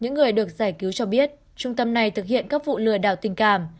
những người được giải cứu cho biết trung tâm này thực hiện các vụ lừa đảo tình cảm